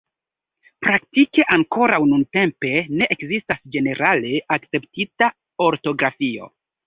Praktike ankoraŭ nuntempe ne ekzistas ĝenerale akceptita ortografio.